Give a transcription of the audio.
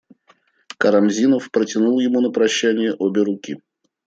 Кармазинов протянул ему на прощание обе руки.